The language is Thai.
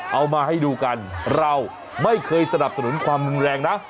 เอามาให้ดูกันเราไม่เคยสนับสนุนความรุนแรงนะ